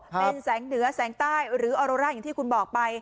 เป็นแสงเหนือแสงใต้หรือออโรร่าอย่างที่คุณบอกไป